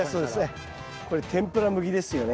これ天ぷら向きですよね。